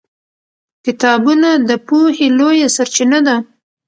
کتابونه د پوهې لویه سرچینه ده